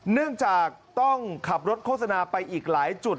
เนื่องจากต้องขับรถโฆษณาไปอีกหลายจุด